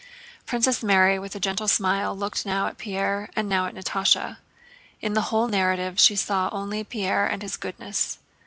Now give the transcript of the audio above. Princess Mary with a gentle smile looked now at Pierre and now at Natásha. In the whole narrative she saw only Pierre and his goodness.